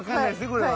これは。